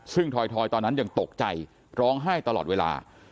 ซึ่งทอยตอนนั้นยังตกใจร้องไห้ตลอดเวลา